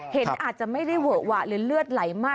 อาจจะไม่ได้เวอะหวะหรือเลือดไหลมาก